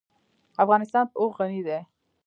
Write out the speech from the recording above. افغانستان په اوښ غني دی.